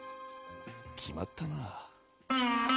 決まったなあ。